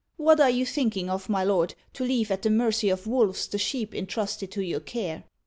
What are you thinking of, my lord, to leave at the mercy of wolves the sheep intrusted to your care